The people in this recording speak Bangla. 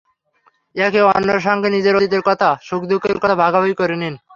একে অন্যের সঙ্গে নিজেদের অতীতের কথা, সুখ-দুঃখের কথা ভাগাভাগি করে নিন।